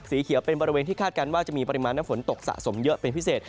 สีเขียวเป็นบริเวณที่คาดการณ์ว่าจะมีปริมาณน้ำฝนตกสะสมเยอะเป็นพิเศษ